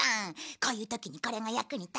こういう時にこれが役に立つ。